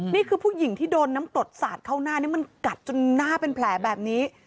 นี่คือผู้หญิงที่โดนน้ำกรดสาดเข้าหน้านี่มันกัดจนหน้าเป็นแผลแบบนี้